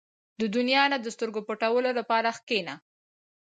• د دنیا نه د سترګو پټولو لپاره کښېنه.